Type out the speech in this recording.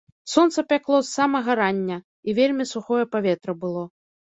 Сонца пякло з самага рання, і вельмі сухое паветра было.